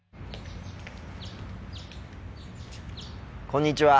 こんにちは。